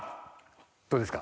どうですか？